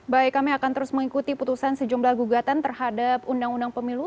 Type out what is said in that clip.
baik kami akan terus mengikuti putusan sejumlah gugatan terhadap undang undang pemilu